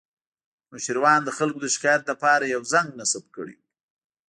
نوشیروان د خلکو د شکایت لپاره یو زنګ نصب کړی و